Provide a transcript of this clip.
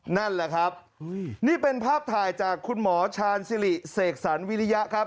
นั่นแหละครับนี่เป็นภาพถ่ายจากคุณหมอชาญสิริเสกสรรวิริยะครับ